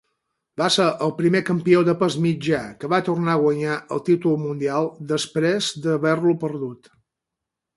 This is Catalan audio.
Va ser el primer campió de pes mitjà que va tornar a guanyar el títol mundial després d'haver-lo perdut.